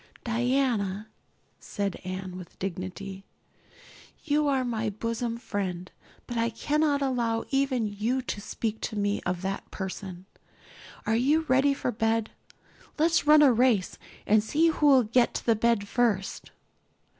"Diana," said Anne with dignity, "you are my bosom friend, but I cannot allow even you to speak to me of that person. Are you ready for bed? Let's run a race and see who'll get to the bed first."